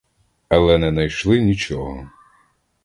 Але не найшли нічого.